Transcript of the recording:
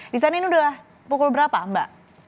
di sana ini sudah pukul berapa mbak